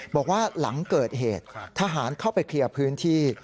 บอกว่าหลังเกิดเหตุทหารเข้าไปเคลียร์พื้นที่